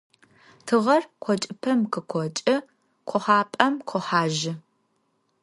Тыгъэр къокӀыпӀэм къыкъокӀы къохьапӀэм къохьажьы.